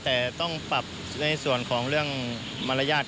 แต่ต้องปรับในส่วนของเรื่องมารยาท